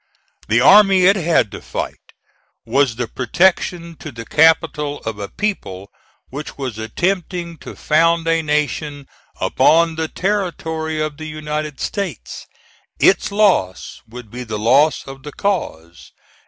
The army it had to fight was the protection to the capital of a people which was attempting to found a nation upon the territory of the United States. Its loss would be the loss of the cause.